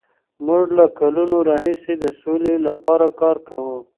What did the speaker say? موږ له کلونو راهیسې د سولې لپاره کار کوو.